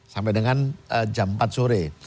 sampai dengan jam empat sore